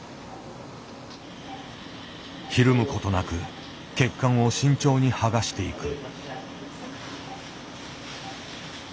ひるむことなく血管を慎重にはがしていく。